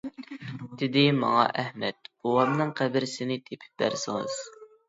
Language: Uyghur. دېدى ماڭا ئەھەت بوۋامنىڭ، قەبرىسىنى تېپىپ بەرسىڭىز.